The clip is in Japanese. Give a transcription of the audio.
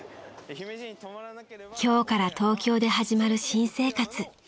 ［今日から東京で始まる新生活］